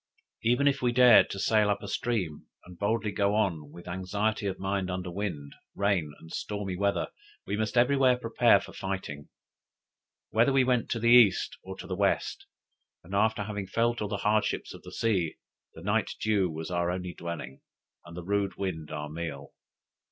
Even if we dared to sail up a stream and boldly go on with anxiety of mind under wind, rain, and stormy weather, we must everywhere prepare for fighting. Whether we went to the east, or to the west, and after having felt all the hardships of the sea, the night dew was our only dwelling, and the rude wind our meal.